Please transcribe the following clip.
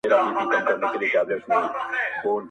جنت د حورو دی، دوزخ د سيطانانو ځای دی.